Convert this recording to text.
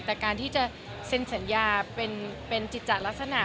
แต่การที่จะเซ็นสัญญาเป็นจิตจะลักษณะ